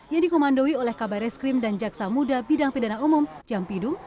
yang dikomandoi oleh kabare skrim dan jaksa muda bidang pidana umum jampidum